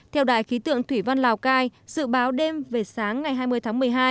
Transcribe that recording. theo đài khí tượng thủy văn lào cai dự báo đêm về sáng ngày hai mươi tháng một mươi hai